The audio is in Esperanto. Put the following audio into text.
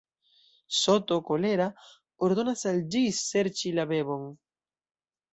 Soto, kolera, ordonas al ĝi serĉi la bebon.